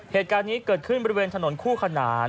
เหตุการณ์นี้เกิดขึ้นบริเวณถนนคู่ขนาน